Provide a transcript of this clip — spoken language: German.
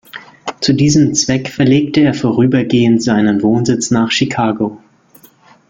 Zu diesem Zweck verlegte er vorübergehend seinen Wohnsitz nach Chicago.